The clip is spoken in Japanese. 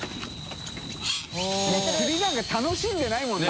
發釣りなんか楽しんでないもんね。